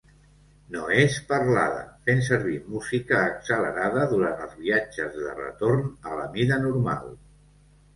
No és parlada, fent servir música accelerada durant els viatges de retorn a la mida normal.